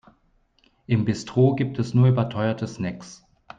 Im Bistro gibt es nur überteuerte Snacks.